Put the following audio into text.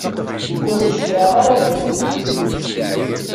Ur d-cliɛeɣ ara seg-m.